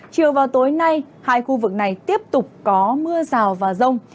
chiều vào tối nay hai khu vực này tiếp tục có mưa rào và rông